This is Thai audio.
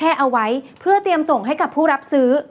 รับแรกเกิดเกี่ยวกมือ